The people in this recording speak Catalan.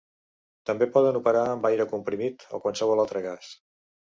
També poden operar amb aire comprimit o qualsevol altre gas.